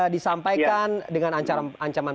disampaikan dengan ancaman